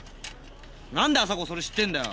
何で麻子それ知ってんだよ。